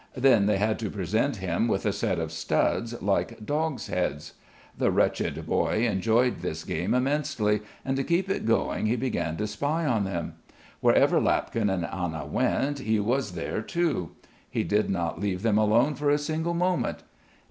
Then they had to present him with a set of studs like dogs' heads. The wretched boy enjoyed this game immensely, and to keep it going he began to spy on them. Wherever Lapkin and Anna went, he was there too. He did not leave them alone for a single moment.